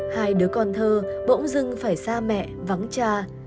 hai đứa con thơ bỗng dưng phải xa mẹ vắng cha